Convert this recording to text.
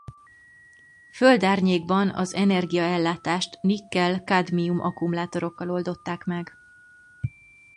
Földárnyékban az energiaellátást nikkel-kadmium akkumulátorokkal oldották meg.